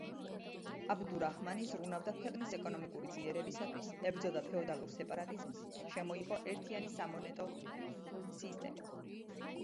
აბდურაჰმანი ზრუნავდა ქვეყნის ეკონომიკური ძლიერებისათვის, ებრძოდა ფეოდალურ სეპარატიზმს, შემოიღო ერთიანი სამონეტო სისტემა.